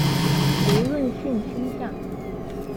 無論性傾向